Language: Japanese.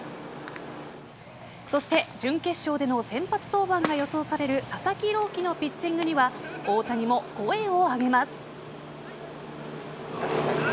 そして準決勝での先発登板が予想される佐々木朗希のピッチングには大谷も声を上げます。